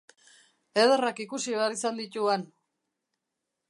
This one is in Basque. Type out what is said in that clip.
Ederrak ikusi behar izan ditu han!